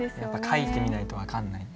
書いてみないと分かんない。